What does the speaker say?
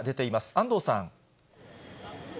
安藤さん。